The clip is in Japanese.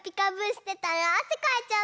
してたらあせかいちゃった。